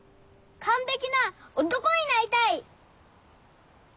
完璧な男になりたい！